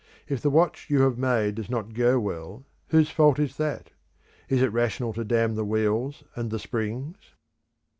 If the watch you have made does not go well, whose fault is that? Is it rational to damn the wheels and the springs?"